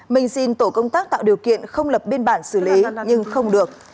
mình xin tổ công tác tạo điều kiện không lập biên bản xử lý nhưng không được